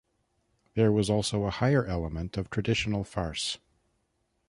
There was also a higher element of traditional farce.